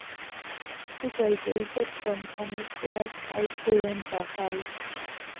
He graduated from Canisius High School in Buffalo.